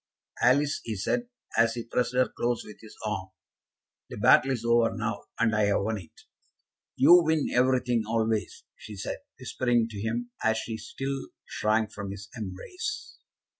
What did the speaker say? "Alice," he said, as he pressed her close with his arm, "the battle is over now, and I have won it." "You win everything, always," she said, whispering to him, as she still shrank from his embrace.